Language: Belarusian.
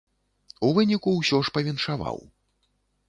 У выніку ўсё ж павіншаваў.